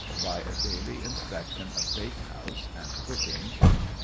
By a daily inspection of bake house and cooking.